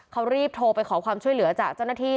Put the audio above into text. เขารีบโทรไปขอความช่วยเหลือจากเจ้าหน้าที่